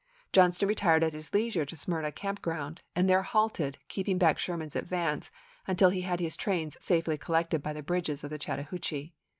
Johnston retired at his leisure to Smyrna Camp ground and there halted, keeping back Sherman's advance until he had his trains safely collected by 1864. the bridges of the Chattahoochee.